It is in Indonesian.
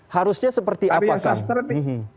harusnya seperti apa kan